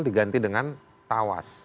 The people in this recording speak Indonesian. diganti dengan tawas